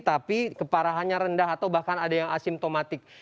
tapi keparahannya rendah atau bahkan ada yang asimptomatik